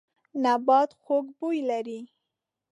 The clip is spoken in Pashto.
نبات خوږ بوی لري.